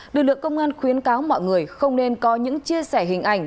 lực lượng công an khuyến cáo mọi người không nên có những chia sẻ hình ảnh